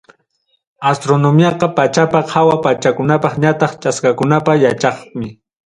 Astronomiaqa pachapa, hawa pachakunapa ñataq chaskakunapa yachachqmi.